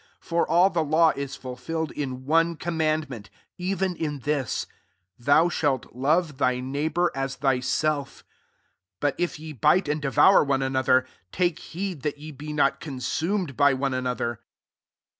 14 For all the law is fulfilled in one command ment, even in this ;" Thou shalt love thy neighbour as thyself." 15 But if ye bite and devour one another, take heed that ye be not consumed by <me ,an otber.